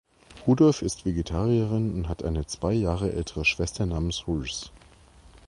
Rudolph ist Vegetarierin und hat eine zwei Jahre ältere Schwester namens Rhys.